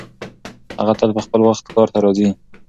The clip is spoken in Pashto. هغه تل په خپل وخت کار ته راځي.